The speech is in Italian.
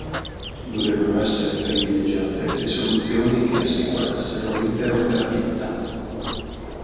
Dovevano essere privilegiate le soluzioni che assicurassero l'interoperabilità.